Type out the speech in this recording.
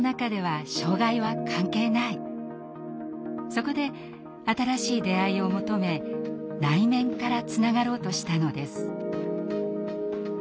そこで新しい出会いを求め内面からつながろうとしたのです。